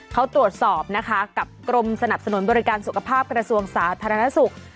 เขาตรวจสอบนะคะกับกรมสนับสนุนบริการสุขภาพกระทรวงสาธารณสุข